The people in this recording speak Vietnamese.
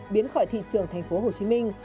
biến khỏi thị trường thành phố hồ chí minh